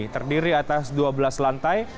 terdiri atas dua belas lantai